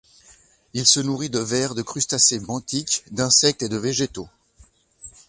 Il se nourrit de vers, de crustacés benthiques, d'insectes et de végétaux.